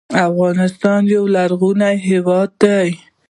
افغانستان يو غرنی هېواد دی